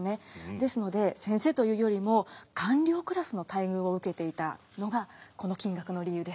ですので先生というよりも官僚クラスの待遇を受けていたのがこの金額の理由です。